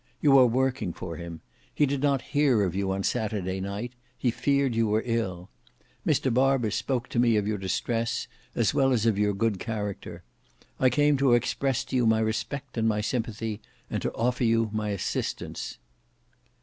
You are working for him. He did not hear of you on Saturday night; he feared you were ill. Mr Barber spoke to me of your distress, as well as of your good character. I came to express to you my respect and my sympathy, and to offer you my assistance."